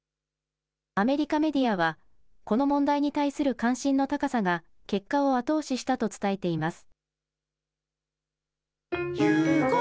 アメリカメディアは、この問題に対する関心の高さが、結果を後押ししたと伝えています。